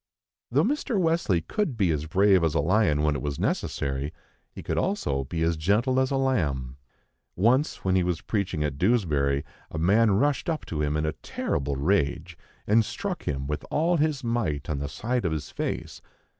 Though Mr. Wesley could be as brave as a lion when it was necessary, he could also be as gentle as a lamb. Once, when he was preaching at Dewsbury, a man rushed up to him in a terrible rage, and struck him with all his might on the side of his face.